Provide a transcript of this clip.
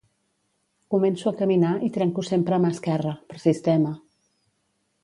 Començo a caminar i trenco sempre a mà esquerra, per sistema.